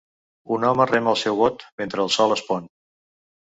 Un home rema al seu bot mentre el Sol es pon.